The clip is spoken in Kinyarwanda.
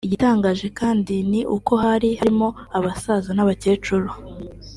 Igitangaje kandi ni uko hari harimo n’abasaza n’abakecuru